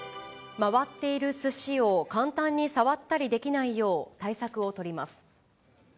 回っているすしを簡単に触ったりできないよう、対策を取ります。